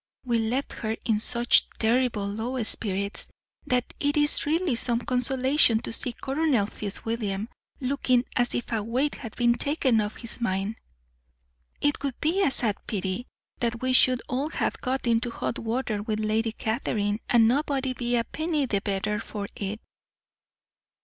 We left her in such terribly low spirits that it is really some consolation to see Colonel Fitzwilliam looking as if a weight had been taken off his mind. It would be a sad pity that we should all have got into hot water with Lady Catherine and nobody be a penny the better for it."